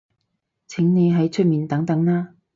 請你喺出面等等啦